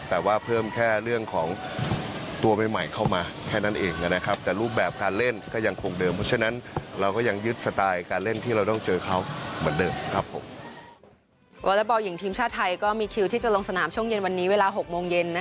แต่การเล่นที่เราต้องเจอเขาเหมือนเดิมครับผม